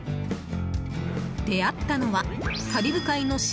出会ったのはカリブ海の島